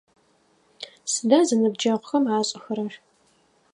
Сыда зэныбджэгъухэм ашӏэхэрэр?